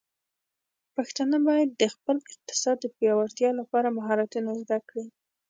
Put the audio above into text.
پښتانه بايد د خپل اقتصاد د پیاوړتیا لپاره مهارتونه زده کړي.